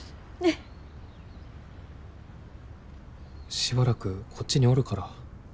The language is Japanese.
しばらくこっちにおるから。